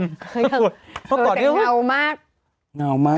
เธอจะเงามาก